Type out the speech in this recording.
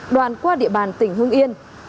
đoàn qua địa bàn tỉnh hương yên